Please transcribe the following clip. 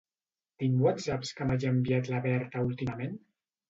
Tinc whatsapps que m'hagi enviat la Berta últimament?